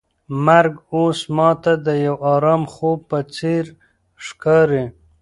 مرګ اوس ماته د یو ارام خوب په څېر ښکاري.